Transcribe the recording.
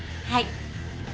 はい。